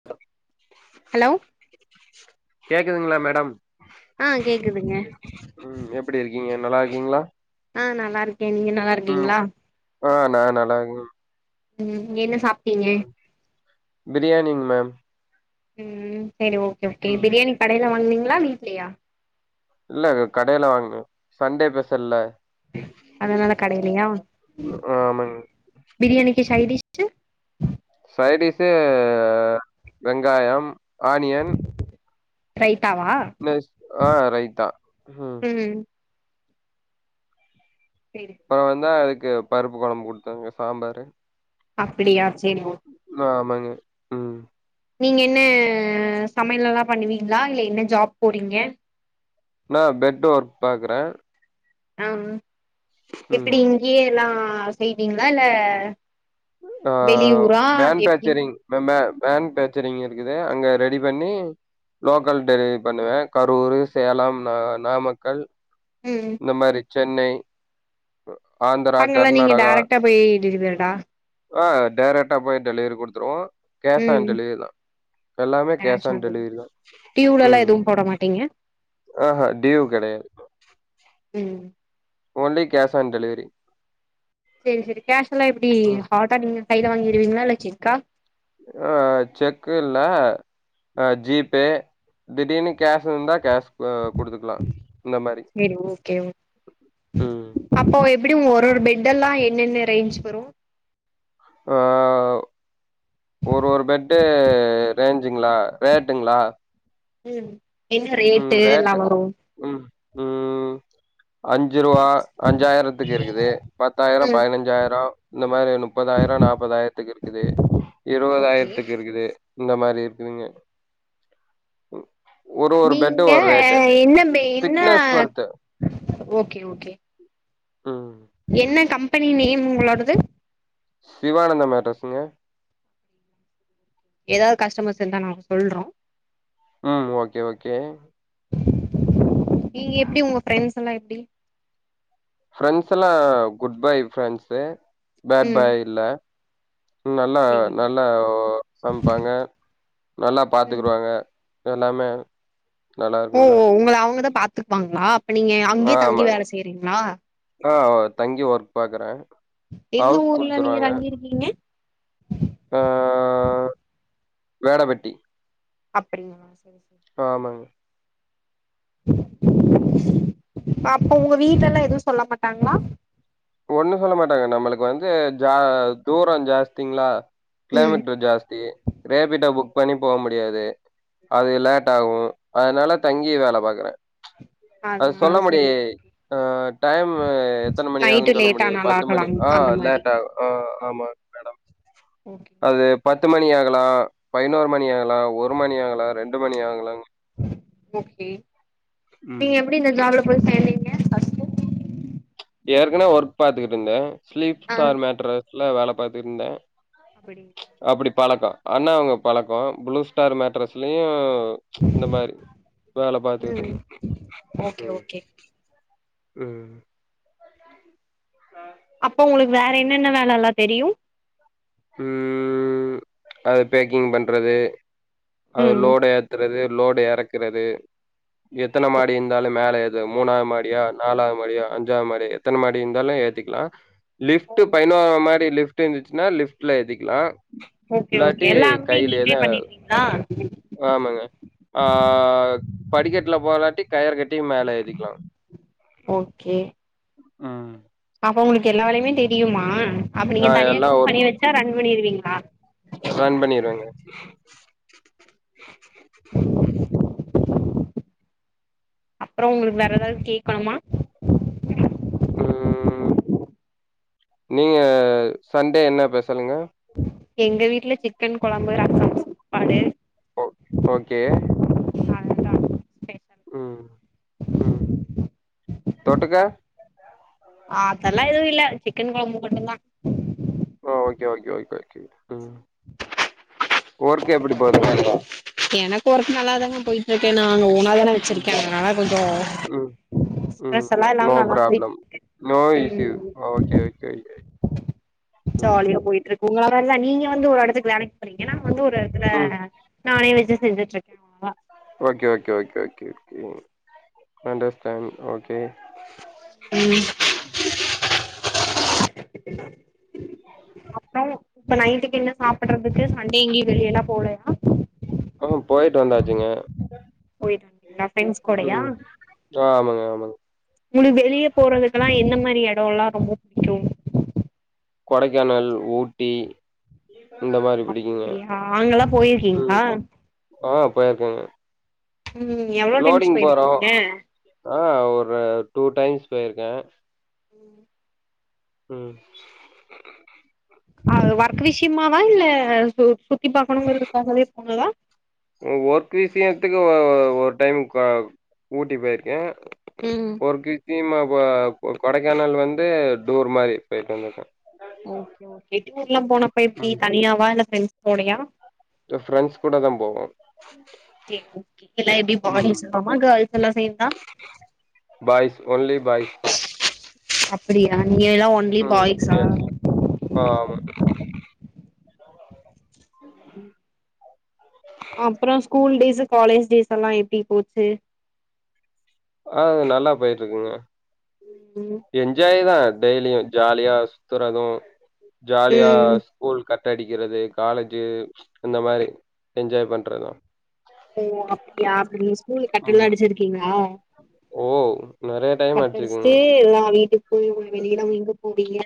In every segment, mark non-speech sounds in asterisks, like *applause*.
*unintelligible* Hello கேக்குதுங்களா madam ஆ கேக்குதுங்க ம் எப்படி இருக்கீங்க நல்லா இருக்கீங்ளா ஆ நல்லா இருக்கே நீங்க நல்லா இருக்கீங்ளா ஆ நா நல்லாருக்கே ம் என்ன சாப்ட்டீங்க பிரியாணிங் மேம் ம் செரி ஓகே ஓகே ம் பிரியாணி கடையில வாங்னீங்ளா வீட்லியா இல்ல கடையில வாங்குனே சண்டே பெஸல்ல அதனால கடையிலயா ஆமாங்க பிரியாணிக்கு சைடிஷ்ஷு சைடிஸ்சு வெங்காயம் ஆனியன் ரைத்தாவா நெஸ் ஆ ரைத்தா ம் ம் சேரி பறவந்தா அதுக்கு பருப்பு கொழம்பு குடுத்தங்க சாம்பாரு அப்படியா செரி ஓ ஆமாங்க ம் நீங்க என்ன சமையலெல்லா பண்ணுவீங்ளா இல்ல என்ன ஜாப் போறீங்க நா பெட்டு ஒர்க் பாக்குறே ஆ ம் எப்படி இங்கியே எல்லா செய்வீங்ளா இல்ல ஆ வெளியூரா எப்டி மேனுஃபேக்சரிங் மே ம‌ மேனுஃபேக்சரிங் இருக்குது அங்க ரெடி பண்ணி லோக்கல் டெலிவெரி பண்ணுவே கரூரு சேலம் ந நாமக்கல் ம் இந்த மாரி சென்னை ஆந்தரா அங்கெல்லா நீங்க கர்நாடகா டேரக்டா போய் டெலிவரிடா ஆ டேரெக்டாக போய் டெலிவரி குடுத்துடுவோ கேஷ் ஆன் ம் டெலிவரி தா எல்லாமே கேஷ் ஆன் டெலிவரி தா டியூலல்லா ம் எதுவு போட மாட்டீங்க ஆஹா டியுவ் கிடையாது ம் ஓன்லி கேஷ் ஆன் டெலிவரி செரி செரி கேஷ்லா எப்டி ம் ஹாட்டா நீங்க கையில வாங்கிருவீங்ளா இல்ல செக்கா ஆ செக்கு இல்ல ஆ ஜிபே திடீர்னு கேஷ் இருந்தா கேஷ் அ குடுத்துக்லா இந்த மாரி சேரி ஓகே ஓ ம் அப்போ எப்டி ஒரு ஒரு பெட் எல்லா என்னென்ன ரேஞ்ச் வரு ஆ ஒரு ஒரு பெட்டு ரேஞ்சுங்ளா ரேட்டுங்ளா ம் என்ன ம் எல்லா ரேட்டு வரு ம் ம் அஞ்சு ரூவா அஞ்சாயிரத்துக்கு இருக்குது பத்தாயிரோ ம் பதினஞ்சாயிரோ இந்த மாரி முப்பதாயிரம் நாப்பதாயிரத்துக்கு இருக்குது ஓகே இருபதாயிரத்துக்கு இருக்குது இந்த மாரி இருக்குதுங்க ஒ ஒரு ஒரு பெட்டு நீங்க ஒரு ரேட்டு. என்ன என்ன திக்னஸ் பொறுத்து. ஓகே ஓகே ம் என்ன கம்பெனி நேம் உங்களோடது சிவானந்தம் மேட்ரஸ்ஸுங்க எதாவது கஸ்டமர்ஸ் இருந்தா நாங்க சொல்றோ ம் ஓகே ஓகே நீங்க எப்டி உங்க ஃப்ரெண்ட்ஸ் எல்லா எப்டி ஃப்ரெண்ட்ஸ் எல்லா குட் பாய் ஃப்ரெண்ட்ஸ்சு பேட் ம் பாய் இல்ல நல்லா சேரிங்க நல்லா சமைப்பாங்க நல்லா ம் பாத்துக்குருவாக எல்லாமே ஓ உங்கள அவுங்க தா பாத்துக்குவாங்ளா அப்ப நீங்க ஆ அங்கே தங்கி ஆமாங்க. வேல செய்றீங்ளா ஆ தங்கி ஒர்க் பாக்குற எந்த ஹவுஸ் ஊர்ல குடுத்துருவாங்க தங்கிருக்கீங்க நீங்க ஆ வேட வெட்டி அப்டிங்ளா செரி செரி ஆமாங்க அப்போ உங்க வீட்டெல்லா எதுவு சொல்ல மாட்டாங்ளா ஒண்ணு சொல்ல மாட்டாங்க நம்முளுக்கு வந்து ஜ தூரோ ஜாஸ்திங்ளா ம் கிலோமீட்டர் ஜாஸ்தி ரேபிடோ புக் பண்ணி போ முடியாது அது லேட் ஆகு அதனால தங்கி வேல பாக்குற அது அதனால சொல்ல சரி முடியே அ டைமு எத்தன மணி நைட்டு ஆகுன் லேட் ஆனாலு பத்து மணி ஆகலாம் ஆ அந்த மாரி லேட் ஆகு ஆ ஆமா மேடம் ஓகே அது பத்து மணி ஆகலா பதினொரு மணி ஆகலா ஒரு மணி ஆகலா ரெண்டு மணி ஆகலா ஓகே நீங்க ம். எப்டி இந்த ஜாப்ல போய் சேந்தீங்க ஃபஸ்ட்டு ஏற்கனவே ஒர்க் பாத்துட்டு இருந்த ஸ்லீப் ஆ ஸ்டார் மேட்டர்ஸ்ல வேல பாத்துட்டு இருந்த அப்படி அப்டி பழக்கோ ஆனா அவுங்க பழக்கோ ப்ளூ ஸ்டார் மேட்ரஸ்லயு இந்த மாரி வேல பாத்துக்கிட்டு ம் இருந்த ஓகே ம் ஓகே ம் அப்போ உங்ளுக்கு வேற என்னென்ன வேல எல்லா தெரியு ம் அது பேக்கிங் பண்றது அது ம் லோடு ஏத் றது லோடு எறக்குறது எத்தன மாடி இருந்தாலு மேல ஏத் மூணாவது மாடியா நாலாவது மாடியா அஞ்சாவது மாடியா எத்தன மாடி இருந்தாலு ஏத்திக்லா லிஃப்ட் பதினோறாவது மாடி லிஃப்ட் இருந்துச்சுனா லிஃப்ட்ல ஏத்திக்லா ஓகே ஓகே எல்லாமுமே நீங்ளே பண்ணிடுவீங்ளா ஆமாங்க ஆ படிக்கட்ல போலாட்டி கயற கட்டி மேல ஏத்திக்லா ஓகே ம் அப்ப உங்ளுக்கு எல்லா வேலையுமே தெரியுமா அப்ப ஆ நீங்க தனியா எல்லாம் கம்பெணி ஒர்க் வச்சா ரன் பண்ணிருவீங்ளா ரன் பண்ணிருவங்க அப்றோ உங்ளுக்கு வேற எதாவது கேக்கணுமா ம் நீங்க சண்டே என்ன ஸ்பெசலுங்க எங்க வீட்ல சிக்கன் கொழம்பு ரசம் சாப்பாடு ஓக் ஓகே அவ்ளோதா ஸ்பெஷல் ம் ம் தொட்டுக்க அதெல்லா எதுவு இல்ல சிக்கன் கொழம்பு மட்டுந்தா ஓ ஓகே ஓகே ஒகே ஓகே ம் ஒர்க் எப்படி போதுங்க? எனக்கு ஒர்க்கு நல்லா தாங்க பொயி ஓகே நா அங்க ஓனா தான ம், வச்சிருக்கே அதுனால கொஞ்சோ ம். ம் ஸ்ட்ரெஸ் எல்லா நோ இல்லாம நல்லா போயிட்டு பிராப்ளம் இருக்கு நோ இஷ்யூ ம் ஓகே ஓகே ஓகே ம். ஜாலியா பொயிட்டு இருக்கு *unintelligible* நீங்க வந்து ஒரு எடத்துக்கு வேலைக்கு போறிங்கனா அங்க ஒரு எடத்துல ம். நானே வெச்சி செஞ்சுட்ருக்கே okay okay okay okay okay understand okay ம் அப்றோ இப்ப நைட்டுக்கு என்ன சாப்பட்றதுக்கு சண்டே எங்கியு வெளிய எல்லா போலயா ஆமா பொயிட்டு வந்தாச்சுங்க போயிட்டு வந்தீங்களா ஃப்ரெண்ட்ஸ் கூடயா ம் அ ஆமாங்க ஆமாங்க உங்ளுக்கு வெளியே போறதுக்குல்லா என்ன மாரி எடோல்லா ரொம்ப புடிக்கு கொடைக்கானல் ஊட்டி இந்த மாதிரி புடிக்குங்க அப்டியா அங்கெல்லா ம் போயிருக்கீங்களா ஆஹ போயிருக்கேங்க ம் எவ்வளோ டைம்ஸ் பொயிருக்கீங்க அ ஒரு டூ டைம்ஸ் பொயிருக்கே ம் ம் ஒர்க் விஷயமாவா இல்ல சுத்தி பாக்கணுங்ரதுக்காககே போனதா ஒர்க் விஷயத்துக்கு ஒ ஒரு டைம் ஊட்டி பெயிருக்கே ம் ஒர்க் விஷியம கொடைக்கானல் வந்து டூர் மாரி பொயிட்டு வந்ருக்கே ஓகே ஓகே டூர்லா போனா ம். பொய்ருக்கீங்க தனியாவா இல்ல ப்ரெண்ட்ஸ்கூடையா ஃப்ரெண்ட்ஸ் கூட தா போவோ ஓகே ஓகே எல்லா எப்டி ம் பைய்ஸ்ல்லாமா ஹேல்ஸ் எல்லா சேந்தா பாய்ஸ் ஒன்லி பாய்ஸ் அப்படியா நீங்க எல்லா ஒன் ம் எஸ் ஆமா ம் அப்பற ஸ்கூல் டேஸ் காலேஜ் டேஸ் எல்லா எப்டி போச்சு அ நல்லா போயிட்ருக்குங்க ம் என்ஜாய் தா டெய்லியு ஜாலியா சுத்துறது ஜாலியா ம் ஸ்கூல் கட்ட அடிக்கிறது காலேஜு இந்த மாரி என்ஜாய் பண்றதுதா ஓ அப்டியா அப்ப நீங்க ஸ்கூல் ம் கட்டலா அடிச்சிருக்கீங்ளா ஓ நெறைய டைம் கட்டு அடிச்சுக்குங்க அடிச்சுட்டு எல்லா வீட்டுக்கு போய் வெளியலா எங்க போறீங்க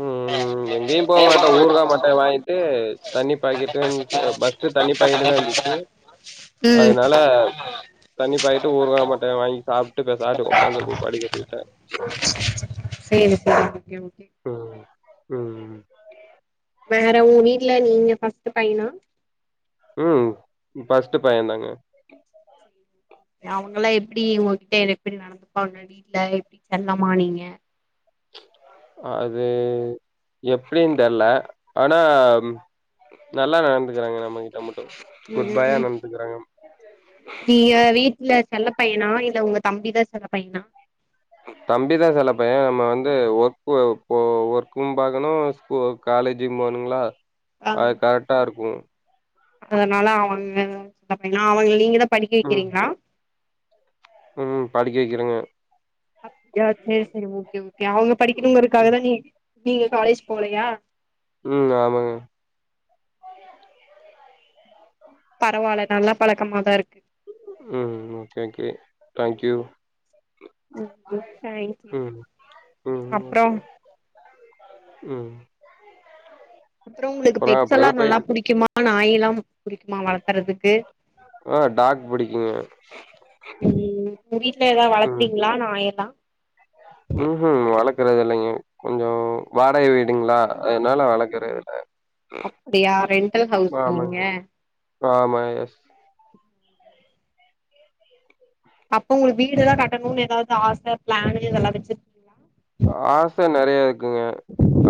ம்ம் ம் எங்கயு போக மாட்ட ஊருகா மட்ட வாங்கிட்டு தண்ணி பாக் கெட்டு ஃபர்ஸ்ட்டு தண்ணி பாக்கெட்டுதா இருந்து து ம் அதனால தண்ணி பாக்கெட்டு ஊருகா மாட்ட வாங்கி சாப்ட்டு பெசாட்டு உக்காந்துருக்கனு படுக்குறதுக்கு தா செரி செரி ஓகே ஓகே ம் ம் வேற உங்க வீடல நீங்க ஃபர்ஸ்ட்டு பையனா ம் ஃபஸ்ட்டு பைய தாங்க செரிங்க அவங்களா எப்டி உங்ககிட்ட எப்டி நடந்துப்பாங்க வீட்ல எப்டி செல்லமா நீங்க பிளாக் அது எப்டின் தெர்ல ஆனா நல்லா நடந்துக்கிறாங்க நம்மகிட்ட மட்டு ம் குட் பாயா ம் நடந்துக்கிறாங்க நீங்க வீட்ல செல்ல பையனா இல்ல உங்க தம்பிதா செல்ல பையனா தம்பிதா செல்ல பைய நம்ம வந்து ஒர்க்கு ஒர்க்கு பாக்கணு ஸ் காலேஜ்க்கு போணுங்களா ஆ அது கரெட்டாருக்கு அதனால அவங்க ஏனா அவங்கள நீங்க தா படிக்க ம் வக்கிறீங்ளா ம் படிக்க வக்கிறங்க அப்டியா செரி செரி ஓகே ஓகே அவங்க படிக்கணுங்கறதுக்காக தா நீ நீங்க காலேஜ் போலயா ம் ஆமாங்க பரவால்ல நல்ல பழக்கமாதா இருக்கு ம் ஓகே ஓகே தேங்க்யூ ம் தேங்க்யூ ம் ம் அப்றோ ஓகே ம் அப்ற உங்களுக்கு அப்றோ பெட்ஸல்லா அப்டியே நல்லா போயிட்ருக்கு புடிக்குமா நாய் எல்லா புடிக்குமா வளத்தறதுக்கு ஆ டாக் புடிக்குங்க ம் உங்க வீட்ல தாவது வளத்துறீங்களா நாயல்லா ம்ஹூம் வளக்கறது இல்லங்க கொஞ்சோ வாடக வீடுங்ளா அதனால வளக்கறது இல்ல அப்டியா ரெண்டல் ஹவுஸா நீீங்க ஆமாங்க. ஆமா எஸ் அப்ப உங்களுக்கு வீடு ஏதா கட்டணுன் எதாவது ஆச பிளான் இதெல்லா வச்சு ஆ ஆச நெறைய இருக்குங்க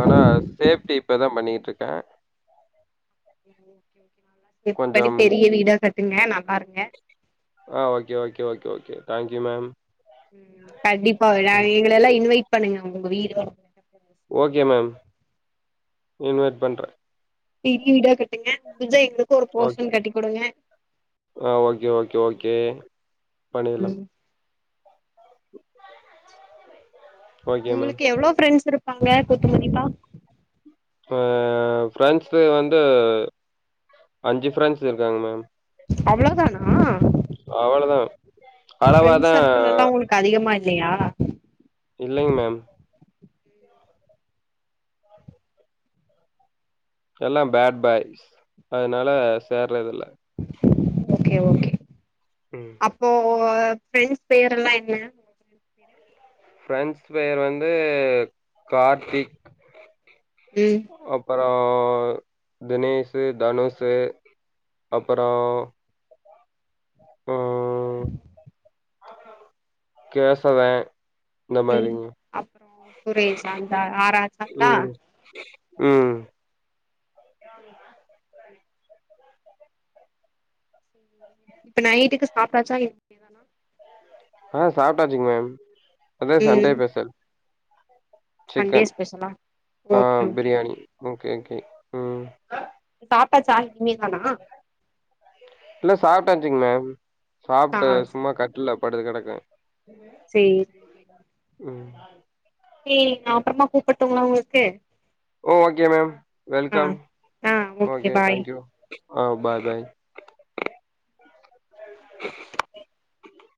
ஆனா சேஃப்ட்டி இப்பதா பண்ணிட்ருக்கே. *inaudible* ஓகே ஓகே நல்லா சேப்டி பண்ணி கொஞ்சம் பெரிய வீடா கட்டுங்க நல்லா இருங்க. ஆ okay okay okay okay thank you ma'am. ம் கண்டிப்பா ஒருநாள் ம். எங்களையெல்லா இன்வைட் பண்ணுங்க உங்குங்க வீடு ஓகே மேம் இன்வைட் பண்றே. பெரிய வீடா கட்டுங்க முடிஞ்சா எங்குளுக்கு ஒரு ஓகே. போர்ஷன் கட்டி குடுங்க. ஆ ஓகே ஓகே ஓகே பண்ணிர்லா. ம் ஓகே மேம். உங்குளுக்கு எவ்ளோ ப்ரெண்ஸ் இருப்பாங்க குத்துமதிப்பா? அ ஃப்ரெண்ஸு வந்து அஞ்சு ஃப்ரெண்ஸ் இருக்காங்க மேம். அவ்ளோ தானா? அவ்வளோதான். அளவா ஃப்ரெண்ஸ் தான் சர்க்கிள் எல்லா உங்குளுக்கு அதிகமா இல்லையா? இல்லைங் மேம். எல்லா பேட் பாய்ஸ் அதனால சேர்றதுல்ல. Okay okay. ம். அப்போ ஒ ஃபிரெண்ஸ் பேர் எல்லா என்ன? *inaudible* ஃப்ரெண்ஸ் பெரு வந்து கார்த்திக் ம் அப் ப்பறோ தினேஷு தனுஷு அப்பறோ ம் கேசவே ம் அப்புறோ சுரேஷ் அந்த ஆறு ஆச்சாங்ளா? ம் ம். இப்ப நைட்டுக்கு சாப்ட்டாசா இல் ஆ சாப்ட்டாச்சுங் மேம் அதா சண்டே ம் பெஷல். சண்டே சிக்கன் ஸ்பெஷலா ஆ okay okay biryani. Okay okay ம். சாப்ட்டாசான் எல்லா சாப்ட்டாச்சுங் மேம் ஆ சாப்ட்டு சும்மா கட்டுல்ல படுத்து கெடக்கே. சேர் ம். சேரி நா அப்பறமா கூப்பட்டுங்ளா உங்களுக்கு? ஓ ஓகே மேம் ஆ வெல்கம் ஆ ஓகே பாய் தேங்க்யூ ஆ பா பாய்.